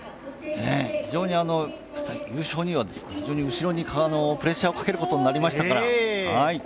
非常に優勝には、非常に後ろからのプレッシャーをかけることになりましたから。